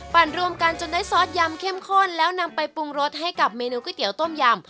รวมกันจนได้ซอสยำเข้มข้นแล้วนำไปปรุงรสให้กับเมนูก๋วยเตี๋ยต้มยำ